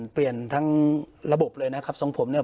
เปลี่ยนทั้งระบบเลยนะครับทรงผมเนี่ย